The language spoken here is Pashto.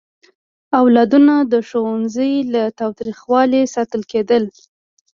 اولادونه د ښوونځي له تاوتریخوالي ساتل کېدل.